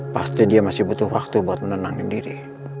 pasti dia masih butuh waktu buat menenangkan diri